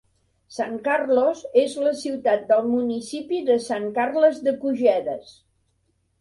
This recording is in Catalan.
San Carlos és la ciutat del municipi de Sant Carles de Cojedes.